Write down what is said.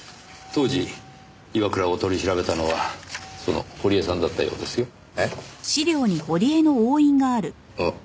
当時岩倉を取り調べたのはその堀江さんだったようですよ。えっ？